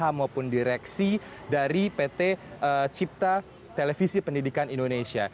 ham maupun direksi dari pt cipta televisi pendidikan indonesia